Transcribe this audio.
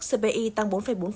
cpi tăng bốn bốn